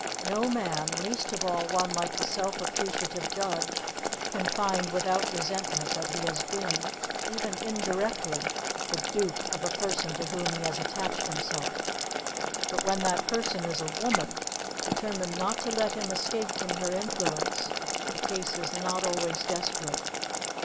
No man, least of all one like the self appreciative judge, can find without resentment that he has been, even indirectly, the dupe of a person to whom he has attached himself; but when that person is a woman, determined not to let him escape from her influence, the case is not always desperate.